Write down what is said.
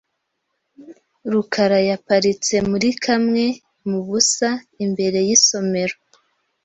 rukara yaparitse muri kamwe mu busa imbere yisomero .